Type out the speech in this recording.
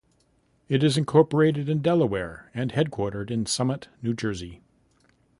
It is incorporated in Delaware and headquartered in Summit, New Jersey.